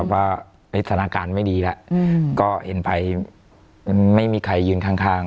ว่าปริศนการไม่ดีแล้วก็เห็นภัยไม่มีใครยืนข้าง